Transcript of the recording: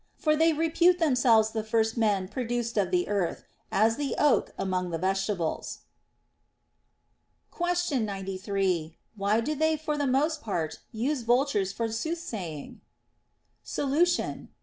For they repute themselves the first men produced of the earth, as the oak among the vegetables. Question 93. Why do they for the most part use vul tures for soothsaying \ Solution.